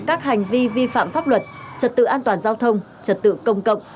các hành vi vi phạm pháp luật trật tự an toàn giao thông trật tự công cộng